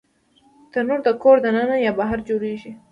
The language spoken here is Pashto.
تنور د کور دننه یا بهر جوړېږي